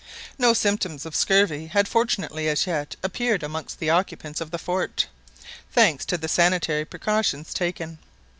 No symptoms of scurvy had fortunately as yet appeared amongst the occupants of the fort, thanks to the sanitary precautions taken.